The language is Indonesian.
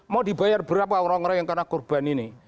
mau dibayar berapa orang orang yang kena korban ini